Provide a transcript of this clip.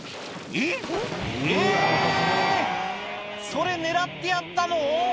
えっえぇ⁉それ狙ってやったの？